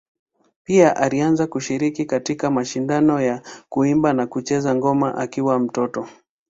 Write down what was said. Pia alianza kushiriki katika mashindano ya kuimba na kucheza ngoma akiwa mtoto.